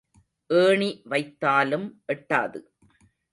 ஏணி வைத்தாலும் எட்டாது.